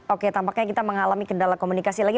oke tampaknya kita mengalami kendala komunikasi lagi